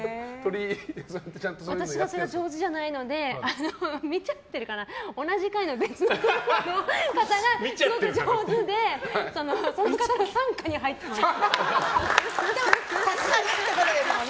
私がそういうの上手じゃないので見てるかな同じ階の別の人がすごく上手でその方の傘下に入ってます。